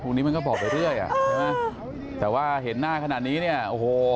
ทุกนี้มันก็บอกไปเรื่อยแต่ว่าเห็นหน้าขนาดนี้เนี่ยโอ้โห